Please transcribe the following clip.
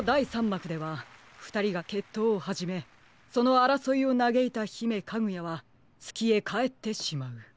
まくではふたりがけっとうをはじめそのあらそいをなげいたひめカグヤはつきへかえってしまう。